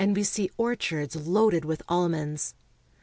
we see orchards loaded with almonds.